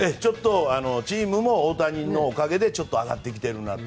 チームも大谷のおかげで上がってきているなと。